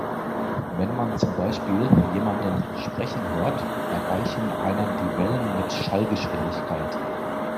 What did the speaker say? Wenn man zum Beispiel jemanden sprechen hört, erreichen einen die Wellen mit Schallgeschwindigkeit.